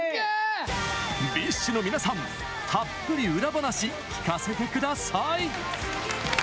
ＢｉＳＨの皆さん、たっぷり裏話、聞かせてください！